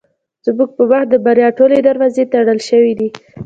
زموږ په مخ د بریا ټولې دروازې تړل شوې دي.